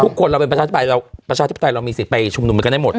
ทุกคนเราเป็นประชาชนปลายประชาชนปลายเรามีสิทธิ์ไปชุมนุมไว้กันได้หมด